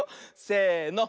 せの。